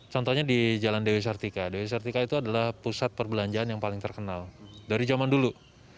contohnya di jalan dewi sartika dewi sartika itu adalah pusat perbelanjaan yang paling terkenal dari zaman dulu